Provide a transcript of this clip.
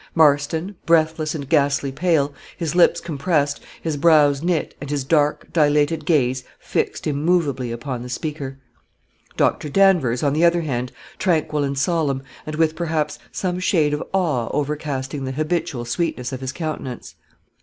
Marston, breathless and ghastly pale; his lips compressed his brows knit and his dark, dilated gaze fixed immovably upon the speaker. Dr. Danvers, on the other hand, tranquil and solemn, and with, perhaps, some shade of awe overcasting the habitual sweetness of his countenance.